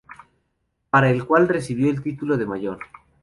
Para el cual recibió el título de mayor.